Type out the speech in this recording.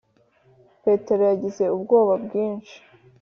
petero yagize ubwoba bwinshi;